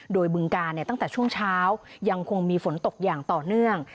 โดยบึงกาลตั้งแต่ช่วงเช้ายังคงมีฝนตกอย่างต่อเนื่อง